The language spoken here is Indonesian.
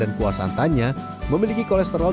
dan kuasa antanya memiliki kolesterol